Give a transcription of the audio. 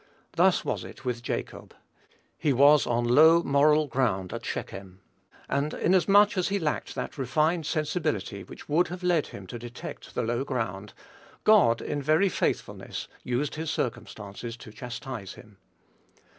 Thus was it with Jacob. He was on low moral ground at Shechem; and, inasmuch as he lacked that refined sensibility which would have led him to detect the low ground, God, in very faithfulness, used his circumstances to chastise him.